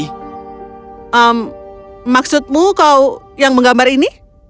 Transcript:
ehm maksudmu kau yang menggambar ini